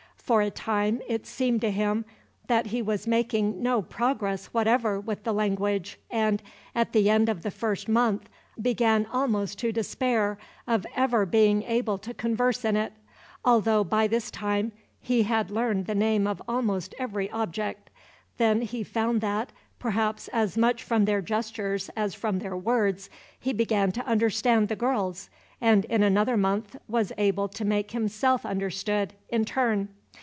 For a time it seemed to him that he was making no progress whatever with the language and, at the end of the first month, began almost to despair of ever being able to converse in it; although by this time he had learned the name of almost every object. Then he found that, perhaps as much from their gestures as from their words, he began to understand the girls; and in another month was able to make himself understood, in turn.